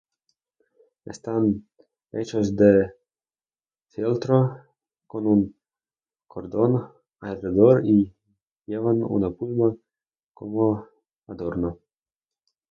Están hechos de fieltro, con un cordón alrededor y llevan una pluma como adorno.